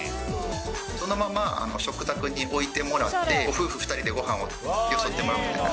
そのまま食卓に置いてもらって、夫婦２人でごはんをよそってもらうという。